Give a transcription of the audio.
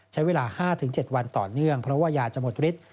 ใช้เวลา๕๗วันต่อเนื่องเพราะว่ายาจะหมดฤทธิ